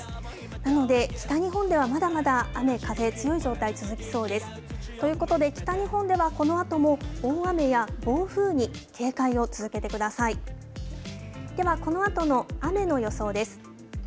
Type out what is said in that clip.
なので北日本ではまだまだ雨、風強い状態、続きそうです。ということで、北日本ではこのあとも大雨や暴風に警戒を続けてください。ではこのあとの雨の予想です。